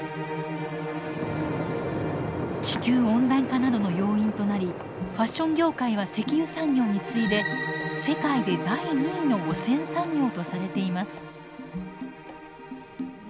地球温暖化などの要因となりファッション業界は石油産業に次いで世界で第２位の汚染産業とされています。